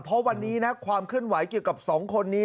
เพราะวันนี้นะความเคลื่อนไหวเกี่ยวกับ๒คนนี้